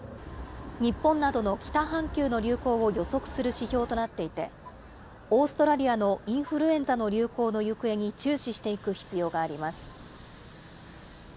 日本などの北半球の流行を予測する指標となっていて、オーストラリアのインフルエンザの流行の行方に注視していく必要があります。